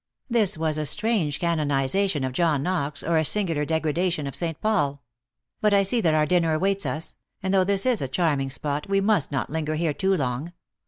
This was a strange canonization of John Knox, or a singular degradation of St. Paul. But I see that our dinner waits us ; and though this is a charming spot, we must not linger here too long.